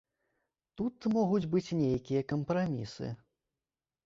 Тут могуць быць нейкія кампрамісы.